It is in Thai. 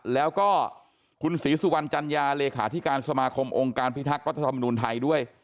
แล้วก็คุณศรีสุวรรณจัญญาเลขาธิการสมาคมองค์การพิทักษ์รัฐธรรมนูญไทยด้วย